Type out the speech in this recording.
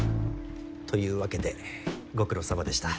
というわけでご苦労さまでした。